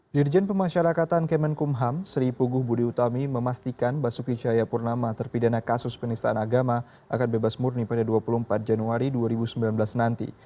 dirjen pemasyarakatan kemenkumham sri puguh budi utami memastikan basuki cahayapurnama terpidana kasus penistaan agama akan bebas murni pada dua puluh empat januari dua ribu sembilan belas nanti